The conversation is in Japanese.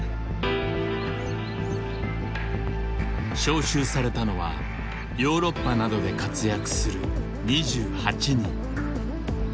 招集されたのはヨーロッパなどで活躍する２８人。